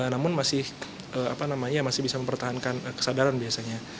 namun masih bisa mempertahankan kesadaran biasanya